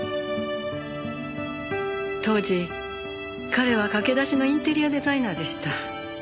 当時彼は駆け出しのインテリアデザイナーでした。